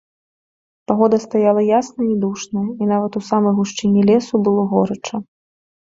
Пагода стаяла ясная і душная, і нават у самай гушчыні лесу было горача.